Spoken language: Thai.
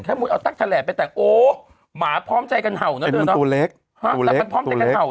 แค่มันเอาต้ักทะแหล่ะไปแต่งโอ๊ะหมาพร้อมใจกันเผ่านั้นด้วยเนอะ